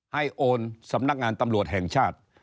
โอนสำนักงานตำรวจแห่งชาติ